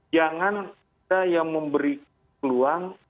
jangan kita yang memberi peluang